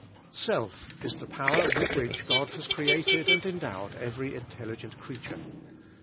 ^' Self is the power with which God has created and endowed every intelligent creature.